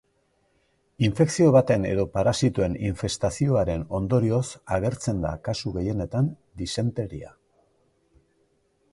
Infekzio baten edo parasitoen infestazioaren ondorioz agertzen da kasu gehienetan disenteria.